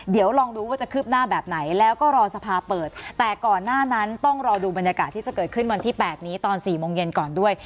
เดี๋ยวลองดูว่าจะคืบหน้าแบบไหนแล้วก็รอสภาเปิดแต่ก่อนหน้านั้นต้องรอดูบรรยากาศที่จะเกิดขึ้นวันที่๘นี้ตอน๔โมงเย็นก่อนด้วย